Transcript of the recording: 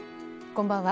こんばんは。